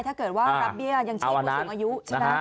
ถ้าเกิดว่ารับเบี้ยยังชีพผู้สูงอายุใช่ไหม